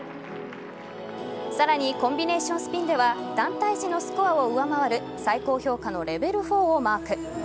さらにコンビネーションスピンでは団体時のスコアを上回る最高評価のレベル４をマーク。